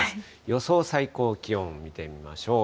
予想最高気温、見てみましょう。